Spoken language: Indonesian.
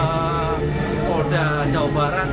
apalagi polda jabar saya kira sangat hati hati pada bukti tahun lalu